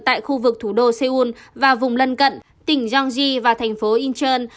tại khu vực thủ đô seoul và vùng lân cận tỉnh jeanji và thành phố incheon